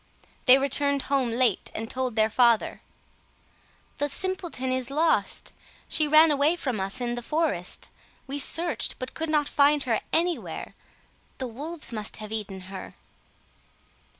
They returned home late, and told their father, "The Simpleton is lost; she ran away from us in the forest; we searched, but could not find her anywhere. The wolves must have eaten her."